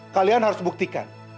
kalian harus buktikan